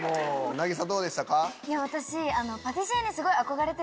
なぎさどうでしたか？